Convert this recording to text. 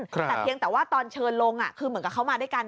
แต่เพียงแต่ว่าตอนเชิญลงคือเหมือนกับเขามาด้วยกัน